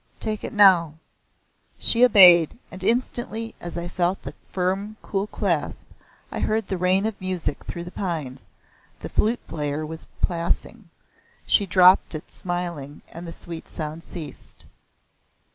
"Take it now." She obeyed, and instantly, as I felt the firm cool clasp, I heard the rain of music through the pines the Flute Player was passing. She dropped it smiling and the sweet sound ceased.